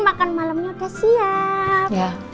makan malamnya udah siap